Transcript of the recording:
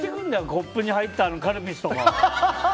コップに入ったカルピスとか。